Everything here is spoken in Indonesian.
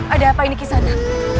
ada apa ini kisahnya